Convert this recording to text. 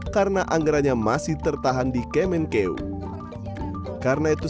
karena anggarannya masih terlalu berpengaruh